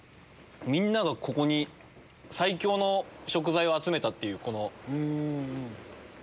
みんながここに最強の食材を集めたっていう。